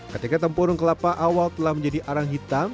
ketika tempurung kelapa awal telah menjadi arang hitam